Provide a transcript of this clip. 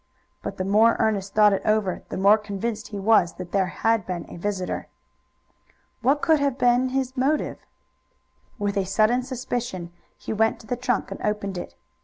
But the more Ernest thought it over the more convinced he was that there had been a visitor. What could have been his motive? With sudden suspicion he went to the trunk and opened it.